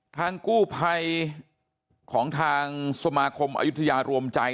ทางกู้ภัยของทางสมาคมอายุทยารวมใจ